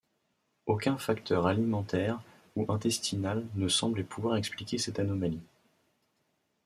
Aucun facteur alimentaire ou intestinal ne semblait pouvoir expliquer cette anomalie.